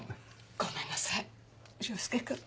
ごめんなさい凌介君。